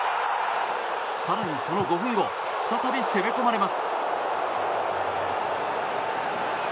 更にその５分後再び攻め込まれます。